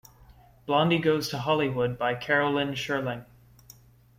"Blondie Goes to Hollywood," by Carol Lynn Scherling.